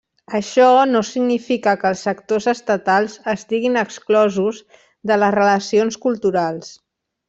Això no significa que els actors estatals estiguin exclosos de les relacions culturals.